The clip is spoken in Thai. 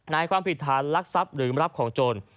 ในความผิดฐานลักทรัพย์หรือรับของโจร